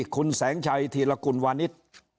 คุณแสงชัยธีรกุลวานิส